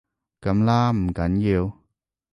噉啦，唔緊要